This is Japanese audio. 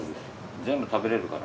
全部食べられるから。